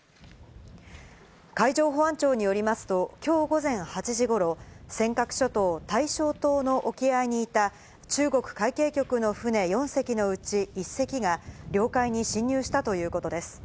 海上保安庁によりますと、きょう午前８時ごろ、尖閣諸島大正島の沖合にいた、中国海警局の船４隻のうち１隻が、領海に侵入したということです。